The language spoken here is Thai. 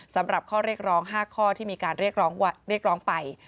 สำหรับข้อเรียกร้องห้าข้อที่มีการเรียกร้องเรียกร้องไป